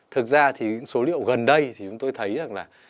thực ra thì số liệu gần đây thì chúng tôi thấy rằng là